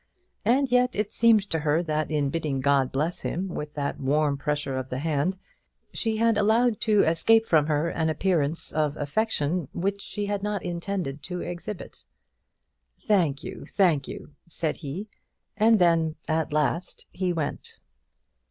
And yet it seemed to her that in bidding God bless him with that warm pressure of the hand, she had allowed to escape from her an appearance of affection which she had not intended to exhibit. "Thank you; thank you," said he; and then at last he went.